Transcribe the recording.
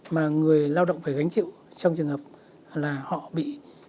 mà người lao động phải gánh chịu trong trường hợp là họ bị